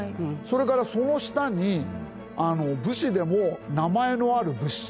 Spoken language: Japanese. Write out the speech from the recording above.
それからその下に武士でも名前のある武士。